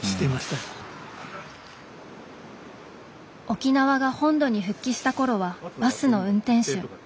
沖縄が本土に復帰した頃はバスの運転手。